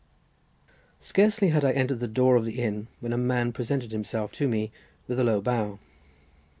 Scarcely had I entered the door of the inn when a man presented himself to me with a low bow.